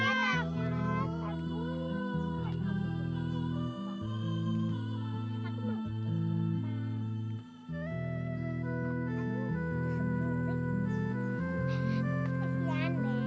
hai aku mau ke sini